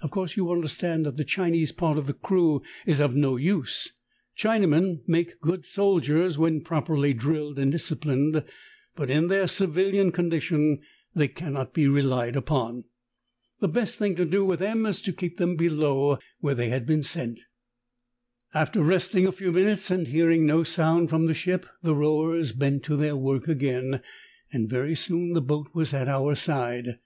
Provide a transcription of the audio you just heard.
Of course you under stand that the Chinese part of the crew is of no use. Chinamen make good soldiers when properly drilled and diseiplined, but in their civilian condi tion they cannot be relied upon. The best thing to THE TALKING HANDKERCHIEF. do with them was to keep them below where they had been sent. "After resting a few minutes, and hearing no sound from the ship the rowers bent to their Avork again, and very soon the boat was at our side.